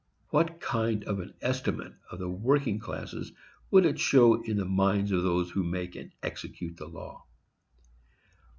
What kind of an estimate of the working classes would it show in the minds of those who make and execute the law?